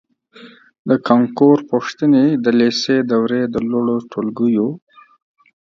د کانکور پوښتنې د لېسې دورې د لوړو ټولګیو